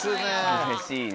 うれしいね。